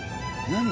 何？